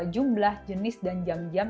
jumlah jenis dan jam jam